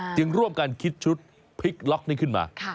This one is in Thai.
จึงร่วมกันคิดชุดพลิกล็อกนี่ขึ้นมา